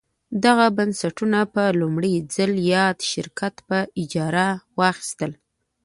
دغه بنسټونه په لومړي ځل یاد شرکت په اجاره واخیستل.